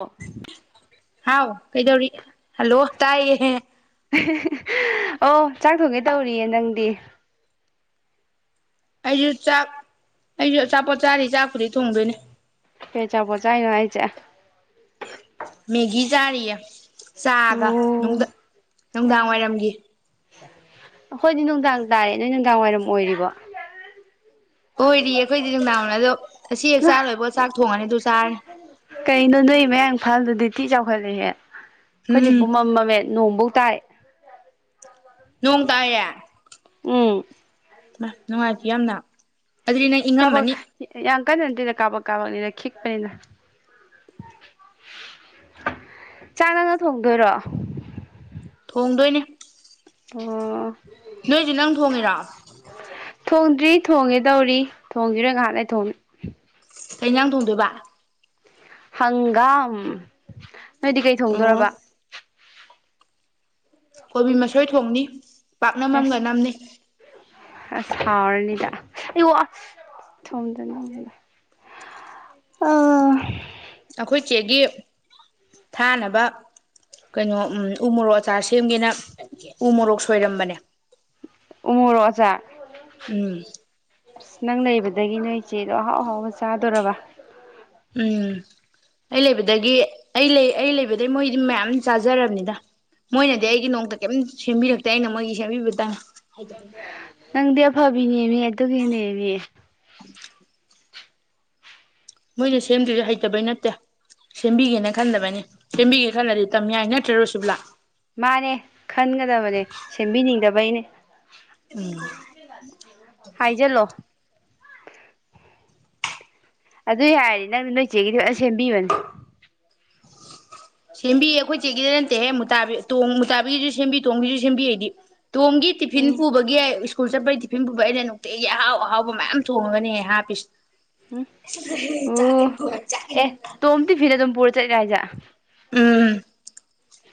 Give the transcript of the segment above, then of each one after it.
ꯑ ꯍꯥꯎ ꯀꯩꯗꯧꯔꯤ ꯍꯜꯂꯣ ꯇꯥꯏꯌꯦ ꯑꯣ ꯆꯥꯛ ꯊꯣꯡꯒꯦ ꯇꯧꯔꯤꯌꯦ ꯅꯪꯗꯤ ꯑꯩꯁꯨ ꯆꯥꯛ ꯑꯩꯁꯨ ꯑꯆꯥꯄꯣꯠ ꯆꯥꯔꯤ ꯆꯥꯛꯄꯨꯗꯤ ꯊꯣꯡꯗꯣꯏꯅꯦ ꯄꯦ ꯆꯄꯣ ꯆꯥꯏꯅ ꯍꯥꯏ ꯍꯥꯏ ꯆꯦ ꯃꯦꯒꯤ ꯆꯔꯤ ꯆꯥꯒ ꯅꯨꯡꯗ ꯅꯨꯡꯗꯥꯡ ꯋꯥꯏꯔꯝꯒꯤ ꯑꯣꯏꯗꯤ ꯅꯨꯡꯗꯥꯡ ꯇꯥꯔꯦ ꯅꯣꯏ ꯅꯨꯡꯗꯥꯡ ꯋꯥꯏꯔꯝ ꯑꯣꯏꯔꯤꯕꯣ ꯑꯣꯏꯗꯤꯌꯦ ꯑꯩꯈꯣꯏꯗꯤ ꯅꯨꯡꯗꯥꯡꯅ ꯑꯗꯣ ꯑꯁꯤ ꯍꯦꯛ ꯃꯥ ꯆꯥ ꯂꯣꯏꯕꯣ ꯆꯥꯛ ꯊꯣꯡꯉꯅꯤ ꯑꯗꯨ ꯆꯥꯔꯅꯤ ꯇꯤ ꯆꯥꯎꯈꯠꯂꯦꯍꯦ ꯑꯩꯈꯣꯏꯗꯤ ꯎꯝ ꯄꯨꯃꯝ ꯃꯝꯃꯦ ꯅꯣꯡꯕꯨ ꯇꯥꯏ ꯅꯣꯡ ꯇꯥꯏꯌꯦ ꯎꯝ ꯃꯥ ꯅꯨꯡꯉꯥꯏꯇꯦ ꯌꯥꯝꯅ ꯑꯗꯨꯗꯤ ꯅꯪ ꯀꯥꯕꯛ ꯏꯪꯉꯝꯃꯅꯤ ꯌꯥꯝ ꯀꯟꯅ ꯅꯠꯇꯦꯗ ꯀꯥꯞꯕꯛ ꯀꯥꯕꯛꯅꯤꯅ ꯈꯤꯛꯄꯅꯤꯗ ꯆꯥꯛꯅꯪꯅ ꯊꯣꯡꯗꯣꯏꯔꯣ ꯊꯣꯡꯗꯣꯏꯅꯦ ꯑꯣ ꯅꯣꯏꯁꯖꯨ ꯅꯪ ꯊꯣꯡꯉꯤꯔ ꯊꯣꯡꯗ꯭ꯔꯤ ꯊꯣꯡꯒꯦ ꯇꯧꯔꯤ ꯊꯣꯡꯒꯤꯔꯣꯏ ꯉꯥꯍꯥꯛ ꯂꯩ ꯊꯣꯡꯅꯤ ꯀꯩ ꯏꯟꯖꯥꯡ ꯊꯣꯡꯗꯣꯏꯕ ꯍꯪꯒꯥꯝ ꯅꯣꯏꯗꯤ ꯀꯩ ꯑꯣ ꯊꯣꯡꯗꯣꯔꯔꯕ ꯀꯣꯕꯤ ꯃꯁꯣꯏ ꯊꯣꯡꯅꯤ ꯄꯥꯛꯅꯝꯑꯝꯒ ꯑꯁ ꯅꯝꯅꯤ ꯑꯁ ꯍꯥꯎꯔꯅꯤꯗ ꯑꯁ ꯑꯩꯌꯣ ꯑ ꯊꯣꯝꯗꯅꯤꯗꯅꯥ ꯑꯥ ꯑꯩꯈꯣꯏ ꯆꯦꯒꯤ ꯊꯥꯅꯕ ꯀꯩꯅꯣ ꯎꯝ ꯎ ꯃꯣꯔꯣꯛ ꯑꯆꯥꯔ ꯁꯦꯝꯒꯦꯅ ꯎ ꯃꯣꯔꯣꯛ ꯁꯣꯏꯔꯝꯕꯅꯦ ꯎꯃꯨꯔꯣꯛ ꯑꯥꯆꯥ ꯎꯝ ꯑꯁ ꯅꯪ ꯂꯩꯕꯗꯒꯤ ꯅꯣꯏ ꯏꯆꯦꯗꯣ ꯑꯍꯥꯎ ꯑꯍꯥꯎꯕ ꯆꯥꯗꯣꯔꯕ ꯎꯝ ꯑꯩ ꯂꯩꯕꯗꯒꯤ ꯑꯩ ꯂꯩ ꯑꯩ ꯂꯩꯕꯗꯩ ꯃꯣꯏꯗꯤ ꯃꯌꯥꯝ ꯆꯥꯖꯔꯝꯅꯤꯗ ꯃꯣꯏꯅꯗꯤ ꯑꯩꯒꯤ ꯅꯣꯡꯇ ꯀꯩꯝ ꯁꯦꯝꯕꯤꯔꯛꯇꯦ ꯑꯩꯅ ꯃꯣꯏꯒꯤ ꯁꯦꯝꯕꯤꯕꯇꯪ ꯍꯩꯇꯕꯩ ꯅꯪꯗꯤ ꯑꯐꯕꯤꯅꯦꯃꯦ ꯑꯗꯨꯒꯤꯅꯦꯃꯤ ꯃꯣꯏꯅ ꯁꯦꯝꯗꯔꯤꯁꯦ ꯍꯩꯇꯕꯩ ꯅꯠꯇꯦ ꯁꯦꯝꯕꯤꯒꯦꯅ ꯈꯟꯗꯕꯩꯅꯤ ꯁꯦꯝꯕꯤꯒꯦꯅ ꯈꯜꯂꯗꯤ ꯇꯝ ꯌꯥꯏ ꯅꯠꯇ꯭ꯔ ꯔꯣꯁꯨꯕꯂꯥ ꯃꯥꯅꯦ ꯈꯟꯒꯗꯕꯅꯦ ꯁꯦꯝꯕꯤꯅꯤꯡꯗꯕ ꯕꯩꯅꯦ ꯎꯝ ꯍꯥꯏꯖꯜꯂꯣ ꯑꯗꯨ ꯌꯥꯔꯗꯤ ꯅꯪꯅ ꯅꯣꯏꯆꯦꯒꯤꯗꯤ ꯐꯖ ꯁꯦꯝꯕꯤꯕꯅꯤ ꯁꯦꯝꯕꯤꯌꯦ ꯑꯩꯈꯣꯏ ꯆꯦꯒꯤꯗ ꯅꯠꯇꯦꯍꯦ ꯃꯨꯇꯥꯕꯤ ꯇꯣꯡꯃꯨꯇꯥꯕꯤꯒꯤꯁꯨ ꯁꯦꯝꯕꯤ ꯇꯣꯡꯒꯤꯁꯨ ꯁꯦꯝꯕꯤ ꯑꯩꯗꯤ ꯇꯣꯝꯒꯤ ꯇꯤꯐꯤꯟ ꯎꯝ ꯄꯨꯕꯒꯤ ꯑꯩ ꯁ꯭ꯀꯨꯜ ꯆꯠꯄꯩ ꯇꯤꯐꯤꯟ ꯄꯨꯕꯩ ꯑꯩꯅ ꯅꯨꯡ ꯇꯤꯒꯤ ꯑꯍꯥꯎ ꯑꯍꯥꯎꯕ ꯃꯌꯥꯝ ꯊꯣꯡꯉꯒꯅꯦ ꯍꯥꯞꯄꯤ ꯎꯝ ꯆꯠꯂꯣꯍꯦ ꯆꯥꯛ ꯏꯟ ꯑꯣ ꯑꯦ ꯀ‌ꯣ [unintelligible] ꯇꯣꯝ ꯇꯤꯐꯤꯟ ꯑꯗꯨꯝ ꯄꯨꯔ [unintelligible] ꯎꯝ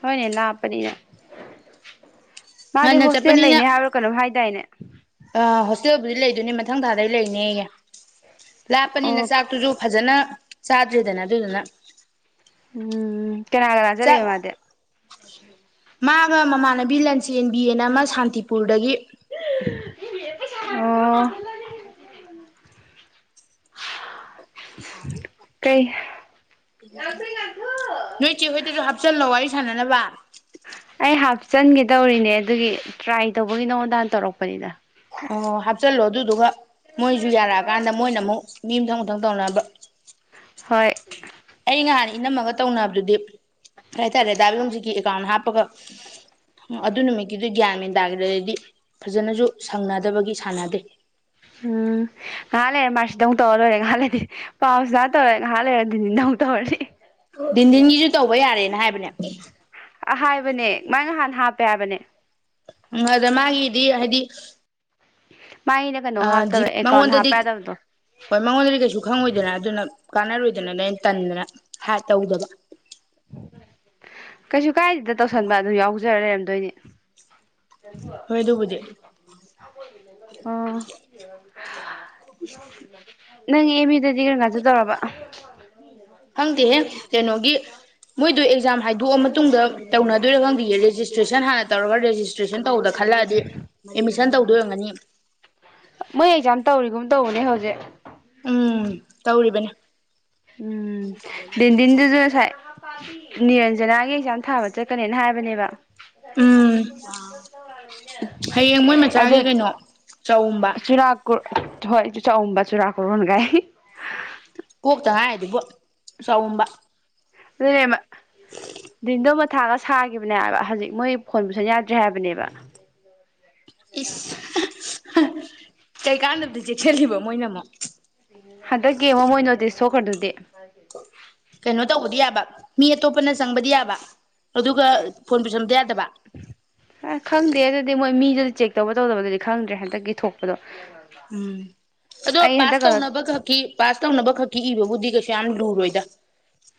ꯍꯣꯏꯅꯦ ꯂꯥꯞꯄꯅꯤꯅ ꯃꯥꯗꯤ ꯉꯟꯅ ꯍꯣꯁꯇꯦꯜ ꯂꯩꯅꯦ ꯍꯥꯏꯕ꯭ꯔꯣ ꯀꯩꯅꯣꯝ ꯍꯥꯏ ꯀꯥꯏꯅ ꯑ ꯍꯣꯁꯇꯦꯜ ꯕꯨꯗꯤ ꯂꯩ ꯗꯨꯅꯤ ꯃꯊꯪ ꯊꯥꯗꯩ ꯂꯩꯅꯦꯌꯦ ꯑꯣ ꯂꯥꯞꯄꯅꯤꯅ ꯆꯥꯛꯇꯨꯖꯨ ꯐꯖꯅ ꯆꯥꯗꯔ꯭ꯦꯗꯅ ꯑꯗꯨ ꯗꯨꯅ ꯎꯝ ꯀꯅꯥ ꯀꯅꯥ ꯆꯠ ꯂꯤꯕ ꯃꯥꯗꯤ ꯃꯥꯒ ꯃꯃꯥꯟꯅꯕꯤ ꯂꯟꯆꯦꯟꯕꯤꯅ ꯑꯃ ꯁꯥꯟꯇꯤꯄꯨꯔꯗꯒꯤ [unintelligible] ꯑꯣ ꯀꯩ ꯅꯣꯏ ꯆ‌ꯦ ꯍꯣꯏꯗꯁꯨ ꯆꯜꯅꯣ ꯋꯥꯔꯤ ꯁꯥꯟꯅꯅꯕ ꯑꯩ ꯍꯥꯞꯆꯟꯒꯦ ꯇꯧꯔꯤꯅꯦ ꯑꯗꯨꯒꯤ ꯇ꯭ꯔꯥꯏ ꯇꯧꯕꯒꯤ ꯅꯉꯣꯟꯗꯥ ꯍꯥꯟꯅ ꯇꯧꯔꯛꯄꯅꯤꯗ ꯑꯣ ꯍꯥꯞꯆꯤꯜꯂꯣ ꯑꯗꯨꯗꯨꯒ ꯃꯣꯏꯁꯨ ꯌꯥꯔꯛꯑꯀꯥꯟꯗ ꯃꯣꯏꯅ ꯑꯃꯨꯛ ꯃꯤ ꯃꯊꯪ ꯃꯊꯪ ꯇꯧꯅꯕ ꯍꯣꯏ ꯑꯩ ꯅꯍꯥꯟ ꯏꯅꯝꯃꯒ ꯇꯧꯅꯕꯗꯨꯗꯤ ꯀꯩꯇꯥꯔꯦ ꯗꯥꯕꯤꯌꯣꯖꯤꯀꯤ ꯑꯦꯀꯥꯎꯟ ꯍꯥꯞꯄꯒ ꯑꯗꯨ ꯅꯨꯃꯤꯠꯀꯤꯗꯨ ꯒ꯭ꯌꯥꯟ ꯃꯦꯟ ꯇꯥꯈꯤꯗꯗꯤ ꯐꯖꯅꯁꯨ ꯁꯪꯅꯗꯕꯒꯤ ꯁꯥꯟꯅꯗꯦ ꯎꯝ ꯉꯥꯏꯍꯥꯛ ꯂꯩꯔꯦ ꯃꯥꯔꯆꯤꯗꯨ ꯇꯧꯔ ꯂꯣꯏꯔꯦ ꯉꯥꯏꯍꯥꯛ ꯂꯩꯔꯦ ꯄꯥꯎꯁꯤꯗꯥ ꯇꯧꯔꯦ ꯉꯥꯏꯍꯥꯛ ꯂꯩꯔ ꯗꯤꯟꯗꯤꯟꯗ ꯑꯃꯨꯛ ꯇꯧꯔꯁꯤ ꯗꯤꯟꯗꯤꯟꯒꯤꯁꯨ ꯇꯧꯕ ꯌꯥꯔꯦꯅ ꯍꯥꯏꯕꯅꯦ ꯑ ꯍꯥꯏꯕꯅꯦ ꯃꯥꯥꯏꯅꯍꯥꯟ ꯍꯥꯞꯄꯦ ꯍꯥꯏꯕꯅꯦ ꯎꯝ ꯑꯗ ꯃꯥꯒꯤꯗꯤ ꯍꯥꯏꯗꯤ ꯎ ꯃꯉꯣꯟꯗꯗꯤ ꯍꯣꯏ ꯃꯉꯣꯟꯗꯗꯤ ꯀꯩꯁꯨ ꯈꯪꯉꯣꯏꯗꯅ ꯑꯗꯨꯅ ꯀꯥꯟꯅꯔꯣꯏꯗ ꯐꯗꯅ ꯅꯣꯏꯩꯅ ꯇꯟꯗꯅ ꯍꯥꯏ ꯇꯧꯗꯕ ꯀꯩꯁꯨ ꯀꯥꯏꯗꯗ ꯇꯧꯁꯟꯕ ꯑꯗꯨꯝ ꯌꯥꯎꯖꯔ ꯂꯩꯔꯝ ꯗꯣꯏꯅꯤ ꯍꯣꯏ ꯑꯗꯨꯕꯨꯗꯤ ꯑ ꯅꯪ ꯌꯦꯃꯗ ꯒꯔꯤ ꯉꯁꯨ ꯇꯧꯔꯕ ꯈꯪꯗꯦꯍꯦ ꯀꯩꯅꯣꯒꯤ ꯃꯣꯏꯗꯣ ꯑꯦꯛꯖꯥꯝ ꯍꯥꯏꯗꯣꯛꯑ ꯃꯇꯨꯡꯗ ꯇꯧꯅꯗꯣꯏꯔ ꯈꯪꯗꯤꯌꯦꯦ ꯇꯦꯁꯟ ꯍꯅ ꯇꯧꯔꯒꯦꯁꯇ꯭ꯔꯦꯁꯟ ꯇꯧꯗ ꯈꯜꯂꯛꯑꯗꯤ ꯑꯦꯠꯃꯤꯁꯟ ꯇꯧꯗꯣꯏꯔꯝꯒꯅꯤ ꯃꯣꯏ ꯑꯦꯛꯖꯥꯝ ꯇꯧꯔꯤꯒꯨꯝ ꯇꯧꯕꯅꯦ ꯍꯧꯖꯤꯛ ꯎꯝ ꯇꯧꯔꯤꯕꯅꯤ ꯎꯝ ꯤꯟꯗꯤꯤꯟꯗꯨꯁꯨ ꯁꯥꯏ ꯅꯤꯔꯟꯖꯅꯥꯒꯤ ꯑꯦꯛꯖꯥꯝ ꯊꯥꯕ ꯆꯠꯀꯅꯦꯅ ꯍꯥꯏꯕꯅꯦꯕ ꯎꯝ ꯍꯌꯦꯡ ꯃꯣꯏ ꯑꯗꯨ ꯃꯆꯥꯒꯤ ꯀꯩꯅꯣ ꯆꯎꯝꯕ ꯆꯨꯔꯥꯀꯨꯔ ꯍꯣꯏ ꯇ ꯆ ꯑꯎꯕꯥꯁꯨ ꯔꯈꯔꯣꯅ ꯀꯥꯏ ꯀꯣꯛꯇ ꯉꯥꯏꯔꯗꯨꯕꯣ ꯆꯥꯎꯝꯕ ꯊꯥꯒ ꯁꯥꯒꯤꯈꯤꯕꯅꯦ ꯍꯥꯏꯕ ꯍꯧꯖꯤꯛ ꯃꯣꯏ ꯐꯣꯟ ꯄꯨꯁꯟ ꯌꯥꯗ꯭ꯔꯦ ꯍꯥꯏꯕꯅꯦꯕ ꯏ ꯀꯩꯀꯥꯟꯗꯕꯗꯤ ꯆꯦꯛꯁꯤꯜꯂꯤꯕ ꯃꯣꯏꯅ ꯑꯃꯨꯛ ꯍꯟꯗꯛꯀꯤ ꯃꯃꯣꯏꯅꯣꯗꯤꯗꯤ ꯁꯣꯛꯈ꯭ꯔꯗꯨꯗꯤ ꯀꯩꯅꯣ ꯇꯧꯕꯗꯤ ꯌꯥꯕ ꯃꯤ ꯑꯇꯣꯞꯄꯅ ꯆꯪꯕꯗꯤ ꯌꯥꯕ ꯑꯗꯨꯒ ꯐꯣꯟ ꯄꯦꯁꯟꯗ ꯌꯥꯗꯕ ꯈꯪꯗꯦ ꯑꯗꯨꯗꯤ ꯃꯣꯏ ꯃꯤꯗꯨꯗꯤ ꯆꯦꯛ ꯇꯧꯕ ꯇꯧꯗꯕꯗꯨꯗꯤ ꯈꯪꯗ꯭ꯔꯦ ꯍꯟꯗꯛꯀꯤ ꯊꯣꯛꯄꯗꯣ ꯎꯝ ꯑꯗꯣ ꯑꯩ ꯄꯥꯁ ꯍꯟꯗꯛ ꯀꯩꯅꯣ ꯇꯧꯅꯕ ꯈꯛꯀꯤ ꯄꯥꯁ ꯇꯧꯅꯕ ꯈꯛꯀꯤ ꯏꯕꯕꯨꯗꯤ ꯀꯩꯁꯨ ꯌꯥꯝ ꯂꯨꯔꯣꯏꯗ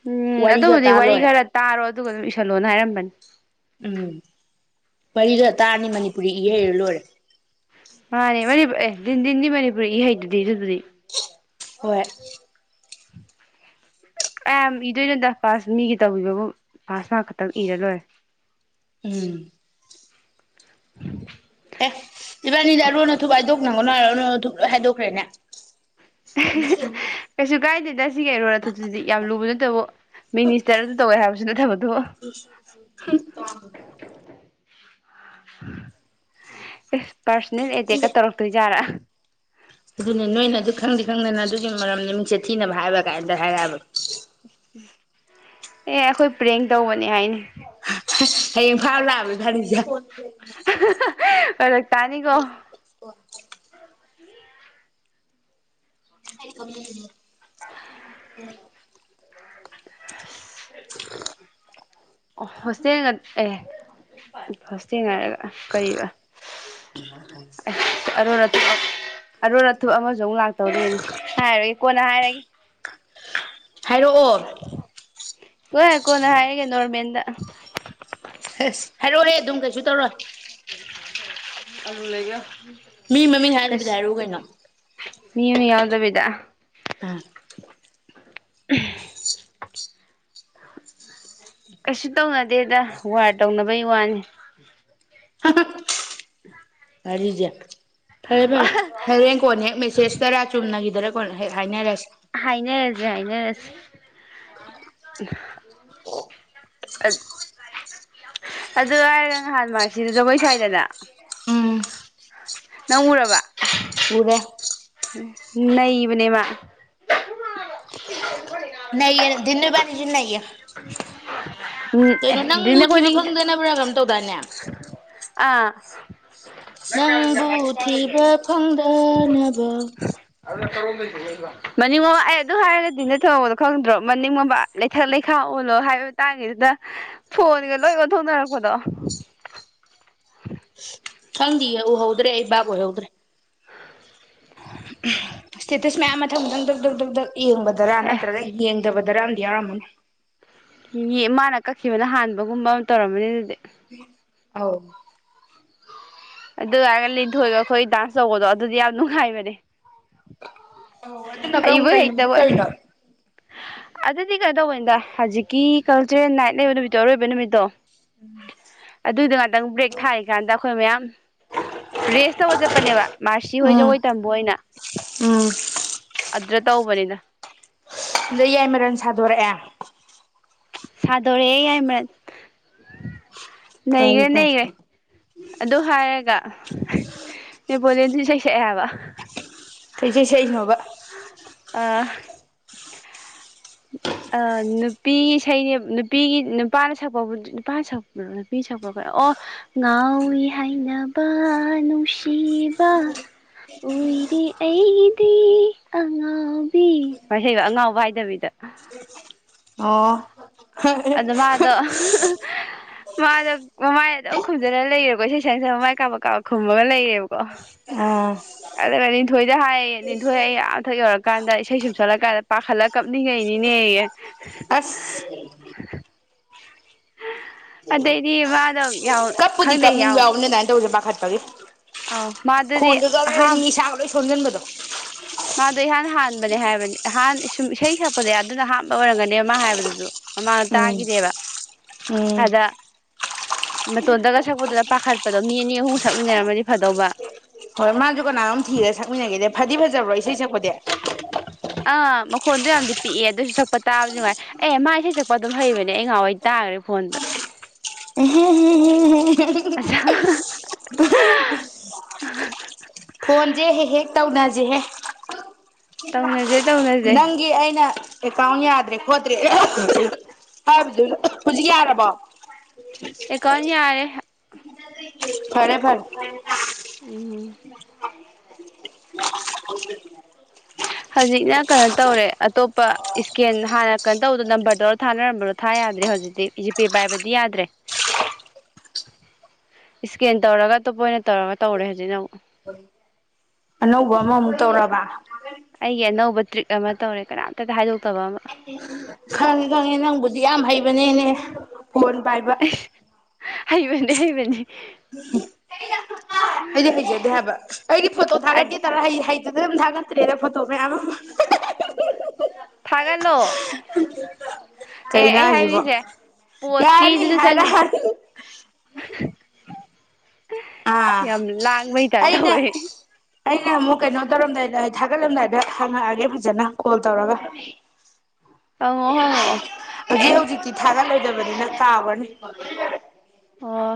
ꯎꯝ ꯋꯥꯔꯤꯒ ꯑꯗꯨꯕꯨꯗꯤ ꯇꯥ ꯋꯥꯔꯤ ꯂꯣꯏꯔꯦ ꯈꯔ ꯇꯥꯔꯣ ꯑꯗꯨꯒ ꯑꯗꯨꯝ ꯏꯁꯜꯂꯣꯅ ꯍꯥꯏꯔꯝꯕꯅꯤ ꯐꯔ ꯇꯥꯔꯅꯤ ꯃꯅꯤ ꯃꯥꯅꯦ ꯃꯅꯤ ꯑꯦ ꯤꯟꯤꯟꯗꯤ ꯃꯅꯤꯄꯨꯔꯔꯤ ꯍꯩꯗꯗꯤ ꯏꯔꯗꯨꯗꯤ ꯍꯣꯏ ꯑꯌꯥꯝ ꯏꯗꯣꯏꯅꯣꯗ ꯄꯥꯁ ꯃꯤꯒꯤ ꯇꯧꯕꯤꯕꯕꯨ ꯄꯥꯁ ꯃꯥ ꯈꯛꯇꯪ ꯏꯔ ꯂꯣꯏꯔ ꯎꯝ ꯑꯦ ꯏꯕꯥꯅꯤꯗꯔꯣꯅ ꯊꯨꯕꯥꯏꯏꯗꯣꯛꯅꯪ ꯑꯣꯔ ꯂꯣꯏ ꯍꯥꯏꯗꯣꯛꯈ꯭ꯔꯦꯅꯦ ꯀꯩꯁꯨ ꯀꯥꯏꯗꯦꯗ ꯁꯤꯒꯤ ꯑꯩꯔꯣ ꯑ ꯊꯨꯁꯤꯗꯤ ꯌꯥꯝ ꯂꯨꯕ ꯅꯠꯇꯕꯨ ꯃꯤꯅꯤꯁꯇꯔ ꯑꯗꯨ ꯇꯧꯋꯦ ꯍꯥꯏꯕ ꯊꯕꯣ ꯈꯇ ꯎꯝ ꯑꯦ ꯄꯥꯔꯁꯣꯅꯦꯜ ꯑꯦꯇꯦꯛꯀ ꯇꯧꯔꯛꯇꯣꯏꯖꯥꯠꯔꯥ ꯑꯗꯨꯅꯦ ꯅꯣꯏꯅ ꯑꯗꯨ ꯈꯪꯗꯤꯦ ꯈꯪꯗꯅ ꯑꯗꯨꯒꯤ ꯃꯔꯝꯗꯤ ꯃꯤꯡꯆꯠ ꯊꯤꯅꯕ ꯍꯥꯏꯕ ꯀꯥꯏꯗ ꯍꯥꯏꯔꯛꯑꯕ ꯑꯦ ꯑꯩꯈꯣꯏ ꯄ꯭ꯔꯦꯡ ꯇꯧꯕꯅꯦ ꯍꯥꯏꯅꯤ ꯍꯌꯦꯡ ꯐꯥꯎꯕ ꯂꯥꯛꯑꯕꯅꯤ ꯐꯥꯔꯤꯁꯦ ꯑꯣꯏ ꯇꯅꯤꯒꯣ [unintelligible] ꯍ [unintelligible] ꯑꯣ ꯍꯣꯁꯇꯦꯜ ꯑꯦ ꯍꯣꯁꯇꯦꯜ ꯉꯔꯒ ꯀꯔꯤꯕꯅ ꯑꯔ ꯔꯊ ꯑꯃ ꯨꯛ ꯂꯥꯛꯇꯧꯔꯤ ꯍꯥꯏꯔ ꯀꯣꯟꯅ ꯍꯥꯏꯔꯒꯦ ꯍꯥꯏꯔꯛꯑꯣ ꯍꯣꯏ ꯀꯣꯟꯅ ꯍꯥꯏꯔꯒꯦ ꯅꯣꯔꯃꯦꯟꯗ ꯑꯁ ꯍꯥꯏꯔꯛꯑꯣꯍꯦ ꯑꯗꯨꯝ ꯀꯩꯁꯨ ꯇꯧꯔꯣ ꯀ ꯂꯩꯒ ꯃꯤ ꯃꯃꯤꯡ ꯍꯥꯏꯗꯕꯤꯗ ꯍꯥꯏꯔꯛꯎ ꯀꯩꯅꯣ ꯃꯤ ꯃꯃꯤꯡ ꯌꯥꯎꯗꯕꯤꯗ ꯑꯥ ꯑꯍ ꯀꯁꯤ ꯇꯧꯅ ꯗꯦꯗ ꯋꯥꯔ ꯇꯧꯅꯕꯩ ꯋꯥꯅꯤ ꯍꯍ ꯎꯝ ꯋꯥꯔꯤꯖꯦ ꯐꯔꯦ ꯐꯔꯦ ꯍꯣꯔꯦꯟ ꯀꯣꯅ ꯍꯦꯛ ꯃꯦꯁꯦꯖ ꯇꯔꯥ ꯆꯨꯝꯅꯈꯤꯗ ꯑꯗꯨꯗ ꯍꯥꯏꯅꯔꯁꯤ ꯍꯥꯏꯅꯔꯖꯤ ꯍꯥꯏꯅꯔꯖꯤ ꯑꯗꯨ ꯍꯥꯏꯔꯒ ꯅꯍꯥꯟ ꯃꯥꯔꯁꯤꯗ ꯖꯒꯣꯏ ꯁꯋꯥꯏꯗꯅ ꯎꯝ ꯅꯪ ꯎꯔꯕ ꯎꯔꯦ ꯅꯩꯕꯅꯦ ꯃꯥ ꯅꯩꯌꯦ ꯗꯤꯟ ꯅꯕꯥꯅꯤꯁꯨ ꯅꯩꯌꯦ ꯎꯝ ꯀꯩꯅꯣ ꯅꯪꯕꯨ ꯗꯤꯟ ꯊꯤꯕ ꯑꯩꯈꯣꯢꯅꯤꯒꯤ ꯐꯪꯗꯅꯕ꯭ꯔꯥ ꯀꯩꯅꯣꯝ ꯇꯧꯗꯥꯏꯅꯦ ꯑꯥ ꯅꯪꯕꯨ ꯊꯤꯕ ꯐꯪꯗꯅꯕ ꯃꯅꯤꯡꯉꯣꯝ ꯑꯩ ꯑꯗꯨ ꯍꯥꯏꯔꯒ ꯗꯤꯟꯗ ꯊꯣꯍꯧꯕꯗꯣ ꯈꯪꯗ꯭ꯔꯣ ꯃꯅꯤꯡ ꯃꯃꯥꯡ ꯂꯩꯊꯛ ꯂꯩ ꯈꯥꯛ ꯑꯣꯜꯂꯣ ꯍꯥꯏꯕ ꯃꯇꯥꯡꯉꯁꯤꯅ ꯐꯣꯟꯒ ꯂꯣꯏ ꯑꯣꯟꯊꯣꯛꯅꯔꯛꯄꯗꯣ [inaudible] ꯈꯪꯗꯦꯌꯦ ꯎꯍꯧꯗ꯭ꯔꯦ ꯑꯩ ꯕꯥꯕ ꯑꯣꯢꯍꯧꯗ꯭ꯔꯦ ꯁ꯭ꯇꯦꯇꯁ ꯃꯌꯥꯝ ꯃꯊꯪ ꯃꯊꯪ ꯗꯛ ꯗꯛ ꯗꯛ ꯌꯦꯡꯕꯗ꯭ꯔꯥ ꯑꯦ ꯑꯅ꯭ꯔꯒ ꯌꯦꯡ ꯐꯠꯇꯕꯗ ꯑꯝꯗꯤ ꯌꯥꯎꯔꯝꯃꯅꯤ ꯃꯥꯅ ꯀꯛꯈꯤꯕꯅ ꯍꯥꯟꯕꯒꯨꯝꯕ ꯑꯃ ꯇꯧꯔꯝꯕꯅꯤ ꯑꯗꯨꯗꯤ ꯑꯧ ꯑꯗꯨꯒ ꯂꯤꯊꯣꯏꯕ ꯑꯩꯈꯣꯏ ꯗꯥꯟꯁ ꯇꯧꯕꯗꯣ ꯑꯗꯨꯗꯤ ꯌꯥꯝ ꯅꯨꯡꯉꯥꯏꯕꯅꯦ [inaudible] ꯑꯣ ꯑꯗꯨꯅꯀ ꯍꯩꯕꯣꯏ ꯀꯩ ꯑꯣꯏꯗꯤ ꯍꯩꯇꯕꯣꯏ ꯇꯧꯋꯤꯅꯣ ꯑꯗꯨꯗꯤ ꯀꯩꯅꯣ ꯇꯧꯕꯅꯤꯗ ꯍꯧꯖꯤꯛꯀꯤ ꯀꯜꯆꯔꯦꯜ ꯅꯥꯏꯠ ꯂꯩꯕ ꯅꯨꯃꯤꯠꯇꯣ ꯑꯔꯣꯏꯕ ꯅꯨꯃꯤꯠꯇꯣ ꯑꯗꯨꯏꯗ ꯉꯥꯛꯇꯪ ꯕ꯭ꯔꯦꯛ ꯊꯥꯔꯤꯀꯥꯟꯗ ꯑꯩꯈꯣꯏ ꯃꯌꯥꯝ ꯔꯦꯁ ꯇꯕ ꯆꯠꯄꯅꯦꯕ ꯃꯥꯔꯁꯤ ꯍꯣꯏ ꯎꯝ ꯖꯒꯣꯏ ꯇꯝꯕ ꯑꯣꯏꯅ ꯎꯝ ꯑꯗꯨ꯭ꯔ ꯇꯧꯕꯅꯤꯅ ꯗ ꯌꯥꯏꯃꯔꯟ ꯁꯥꯗꯣꯔꯛꯑꯦ ꯁꯥꯗꯔ ꯌꯥꯏ ꯃꯔ ꯐꯔꯦ ꯅꯩꯈ꯭ꯔꯦ ꯅꯩꯈ꯭ꯔꯦ ꯐꯔꯦ ꯑꯗꯨ ꯍꯥꯏꯔꯒ ꯅꯦꯄꯣꯂꯤꯌꯥꯂꯤꯌꯥꯟꯁꯤ ꯁꯦꯛꯁ ꯌꯥꯕ ꯀꯩꯀꯩ ꯁꯦꯏꯅꯣꯕ ꯑ ꯑ ꯅꯨꯄꯤ ꯏꯁꯩꯅꯦ ꯅꯨꯄꯤꯒꯤ ꯅꯨꯄꯥꯅ ꯁꯛꯄꯕꯨ ꯅꯨꯄꯥꯅ ꯁꯛꯄ ꯅꯨꯄꯤ ꯁꯛꯄ ꯑꯣ ꯉꯥꯎꯏꯤ ꯍꯥꯏꯅꯕ ꯅꯨꯡꯁꯤꯕ ꯎꯏꯔꯦ ꯑꯩꯗꯤ ꯑꯉꯥꯎꯕꯤꯕ ꯑꯉꯥꯎꯕ ꯍꯥꯏꯗꯕꯤꯗ ꯑꯣ ꯑꯗꯨꯗ ꯃꯥ ꯑꯗꯣ ꯃꯥꯗ ꯃꯃꯥꯏ ꯑꯗꯨꯝ ꯈꯨꯝꯖꯂ ꯂꯩꯔꯦꯀꯣ ꯏꯁꯩ ꯁꯛ ꯁꯛ ꯃꯃꯥꯏ ꯀꯥꯞꯕ ꯀꯥꯞꯕ ꯈꯨꯝꯃꯒ ꯂꯩꯔꯦꯕꯀꯣ ꯑꯥ ꯑꯗꯨꯒ ꯅꯤꯊꯣꯏꯗ ꯍꯥꯏꯌꯦꯌꯦ ꯅꯤꯊꯣꯏ ꯑꯩ ꯑꯊꯛ ꯌꯧꯔꯀꯥꯟꯗ ꯏꯁꯩ ꯁꯨꯝ ꯁꯜꯂꯀꯥꯟꯗ ꯄꯥꯈꯠꯂ ꯀꯞꯅꯤꯡꯉꯩꯅꯤꯅꯦ ꯑꯁ ꯑ ꯑꯗꯩꯗꯤ ꯋꯥꯗ ꯌꯥꯎ ꯀꯔ ꯀꯔꯤ ꯑꯧ ꯃꯥꯗꯨꯗꯤ ꯈꯣꯟꯗꯗ ꯑꯍꯥꯟ ꯃꯤꯁꯒ ꯈꯣꯝꯖꯤꯟꯕꯗꯣ ꯃꯥꯗꯣ ꯏꯍꯥꯟ ꯍꯥꯟꯕꯅꯦ ꯍꯥꯏꯕꯅꯦꯍꯥꯟ ꯁꯨꯝ ꯏꯁꯩ ꯁꯛꯄꯗ ꯑꯗꯨꯅ ꯑꯥꯟꯕ ꯑꯣꯏꯔꯝꯒꯅꯦꯕ ꯃꯥ ꯍꯥꯏꯕꯗꯨꯁꯨ ꯃꯃꯥꯡꯗ ꯎꯝ ꯇꯥꯈꯤꯗꯦꯕ ꯎꯝ ꯑꯗ ꯃꯇꯣꯟꯇꯒ ꯁꯛꯄꯗꯨꯗ ꯄꯥꯈꯠꯄꯗꯣ ꯃꯤ ꯑꯅꯤ ꯑꯍꯨꯝ ꯁꯛꯃꯤꯟꯅꯔꯝꯃꯗꯤ ꯐꯗꯧꯕ ꯍꯣꯏ ꯃꯥꯁꯨ ꯀꯅꯥꯅꯣꯝ ꯇꯦꯛ ꯑꯥ ꯃꯈꯣꯟꯗꯣ ꯌꯥꯝꯗꯤ ꯄꯤꯛꯑꯦ ꯑꯗꯨꯁꯨ ꯁꯛꯄ ꯇꯥꯕꯁꯨ ꯅꯨꯡꯉꯥꯏ ꯑꯦ ꯃꯥ ꯏꯁꯩ ꯁꯛꯄ ꯑꯗꯨꯝ ꯍꯩꯕꯅꯦ ꯑꯩ ꯉꯍꯋꯥꯏ ꯇꯥꯈ꯭ꯔꯦ ꯐꯣꯟꯗ ꯑꯆꯥꯥ ꯐꯣꯟꯁꯦ ꯍꯦꯛ ꯍꯦꯛ ꯇꯧꯅꯁꯤꯍꯦ ꯇꯧꯅꯦꯦ ꯅꯪꯒꯤ ꯑꯩꯅ ꯀꯩꯀꯥꯎ ꯌꯥꯗ꯭ꯔꯦ ꯈꯣꯠꯇ꯭ꯔꯦ ꯍꯥꯏꯕꯗꯨ ꯍꯧꯖꯤꯛ ꯌꯥꯔꯕꯣ ꯑꯩ ꯀꯣꯟ ꯌꯥꯔꯦ ꯐꯔꯦ ꯐꯔ ꯎꯝ ꯍꯧꯖꯤꯛꯅ ꯀꯩꯅꯣ ꯇꯧꯔꯦ ꯑꯇꯣꯞꯄ ꯏꯁꯀꯦꯟ ꯍꯥꯟꯅ ꯀꯩꯅꯣ ꯇꯧꯕꯗ ꯅꯝꯕꯔꯗꯔ ꯊꯥꯅꯔꯝꯕꯗꯣ ꯊꯥ ꯌꯥꯗ꯭ꯔꯦ ꯍꯧꯖꯤꯛꯇꯤ ꯖꯤꯄꯦ ꯄꯥꯏꯕꯗꯤ ꯌꯥꯗ꯭ꯔꯦ ꯏꯁꯀꯦꯟ ꯇꯧꯔꯒ ꯑꯇꯣꯞꯄ ꯑꯣꯏꯅ ꯇꯧꯔꯒ ꯇꯧꯔꯦ ꯍꯧꯖꯤꯛꯅ ꯑꯃꯛ ꯑꯅꯧꯒꯃꯃꯨ ꯇꯧꯔꯕꯥ ꯑꯩꯒꯤ ꯑꯅꯧꯕ ꯇ꯭ꯔꯤꯛ ꯑꯃ ꯇꯧꯔꯦ ꯀꯅꯥꯝꯇꯗ ꯍꯥꯏꯗꯣꯛꯇꯕ ꯑꯃ ꯈꯪꯉꯤ ꯈꯪꯉꯦ ꯅꯪꯕꯨꯗꯤ ꯌꯥꯝ ꯍꯩꯕꯅꯦꯅꯦ ꯐꯣꯟꯣꯟ ꯄꯥꯏꯕ ꯍꯩꯕꯅꯦ ꯍꯩꯕꯅꯤ ꯑꯩꯗꯤ ꯍꯩꯖꯗꯦ ꯍꯥꯏꯕ ꯑꯩꯗꯤ ꯐꯣꯇꯣ ꯊꯥꯒꯠꯀꯦ ꯇꯔ ꯑꯗꯨꯝ ꯊꯥꯒꯠꯇ꯭ꯔꯦꯗ ꯐꯣꯇꯣ ꯃꯌꯥꯝ ꯑꯃ ꯊꯥꯒꯠꯂꯣ ꯑꯦ ꯑꯦ ꯀꯩꯅꯣ ꯑꯩ ꯍꯥꯏꯁꯤꯕꯣ ꯍꯥꯏꯔꯤꯁꯦ ꯌꯥꯔꯅꯤ ꯄꯣꯁꯀꯤꯗꯨꯅ ꯆꯪꯉꯦ ꯍꯥꯏꯔꯛꯑꯅꯤ ꯑꯥ ꯌꯥꯝ ꯂꯥꯡꯕꯩ ꯇꯥꯢꯄ ꯑꯩꯅ ꯇꯧꯋꯦ ꯑꯩꯅ ꯑꯃꯨꯛ ꯀꯩꯅꯣ ꯇꯧꯔꯝꯗꯥꯏꯗ ꯑꯩ ꯊꯥꯒꯠꯂꯝꯗꯥꯏꯗ ꯍꯪꯉꯛꯑꯒꯦ ꯐꯖꯅ ꯀꯣꯜ ꯇꯧꯔꯒ ꯍꯪꯉꯣ ꯍꯉꯣꯑꯣ ꯑꯦ ꯅ ꯇꯥꯕꯅꯤ ꯑꯣ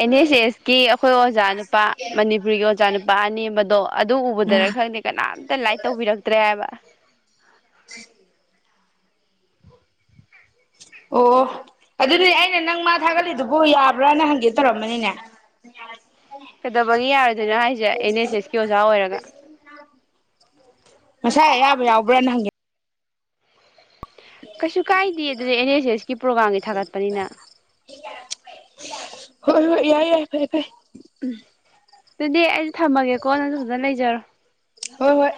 ꯑꯦꯟ ꯑꯦꯁ ꯑꯦꯁꯀꯤ ꯑꯈꯣꯏ ꯑꯣꯖꯥ ꯅꯨꯄꯥ ꯃꯅꯤꯄꯨꯔꯤꯒꯤ ꯑꯣꯖꯥ ꯅꯨꯄꯥ ꯑꯅꯦꯝꯕꯗꯣ ꯑꯗꯨ ꯎꯝ ꯎꯕꯗꯔ ꯈꯪꯗꯦ ꯀꯅꯥꯝꯇ ꯂꯥꯏꯛ ꯇꯧꯕꯤꯔꯛꯇ꯭ꯔꯦ ꯍꯥꯏꯕ [unintelligible] ꯑꯣ ꯑꯗꯨꯗꯤ ꯑꯩꯅ ꯅꯪ ꯃꯥ ꯊꯥꯒꯠꯂꯤꯗꯨꯕꯨ ꯌꯥꯕ꯭ꯔꯥꯅ ꯍꯪꯒꯦ ꯇꯧꯔꯝꯕꯅꯤꯅꯦ ꯀꯩꯗꯧꯕꯒꯤ ꯌꯥꯔꯣꯏꯗꯣꯏꯅꯣ ꯍꯥꯏꯁꯦ ꯑꯦꯟ ꯑꯦꯁ ꯑꯦꯁꯀꯤ ꯑꯣꯖꯥ ꯑꯣꯏꯔꯒ ꯃꯁꯥꯏ ꯑꯌꯥꯕ ꯌꯥꯎꯕ꯭ꯔꯅ ꯍꯪꯒꯦ ꯀꯩꯁꯨ ꯀꯥꯏꯗꯦ ꯑꯗꯨꯗ ꯑꯦꯟ ꯑꯦꯁ ꯑꯦꯁꯀꯤ ꯄ꯭ꯔꯣꯒꯥꯝꯒꯤ ꯊꯥꯒꯠꯄꯅꯤꯅ ꯍꯣꯏ ꯍꯣꯏ ꯌꯥꯏ ꯌꯥꯏ ꯐꯔꯦ ꯐꯔꯦ ꯎꯝ ꯑꯗꯨꯗꯤ ꯑꯩꯁꯨ ꯊꯝꯃꯒꯦꯀꯣ ꯅꯪꯁꯨ ꯐꯖꯅ ꯂꯩꯖꯔꯣ ꯍꯣꯏ ꯍꯣꯏ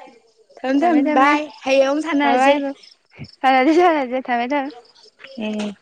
ꯊꯝꯃꯦ ꯊꯝꯃꯦ ꯕꯥꯏ ꯍꯌꯦꯡ ꯑꯃꯨꯛ ꯕ ꯕꯥꯢ ꯁꯥꯟꯅꯔꯁꯦ ꯁꯥꯟꯅꯁꯤ ꯁꯥꯟꯅꯁꯤ ꯊꯝꯃꯦ ꯊꯝꯃꯦ ꯎꯝ